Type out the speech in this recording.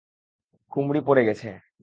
কুমরি পড়ে গেছে!